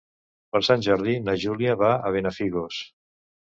Per Sant Jordi na Júlia va a Benafigos.